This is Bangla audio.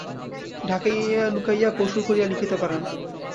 ঢাকিয়া লুকাইয়া কৌশল করিয়া লিখিতে পারে না।